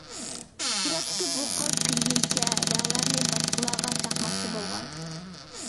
سۈرەتتىكى بۇ قىز كۈلگىنىچە رەڭلەرنى باشقىلارغا چاچماقچى بولغان.